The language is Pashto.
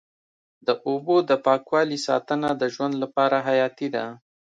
د اوبو د پاکوالي ساتنه د ژوند لپاره حیاتي ده.